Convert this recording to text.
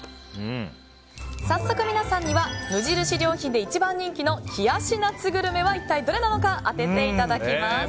早速、皆さんには無印良品で一番人気の冷やし夏グルメは一体どれなのか当てていただきます。